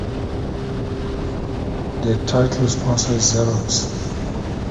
The title sponsor is Xerox.